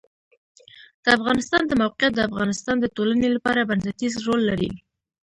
د افغانستان د موقعیت د افغانستان د ټولنې لپاره بنسټيز رول لري.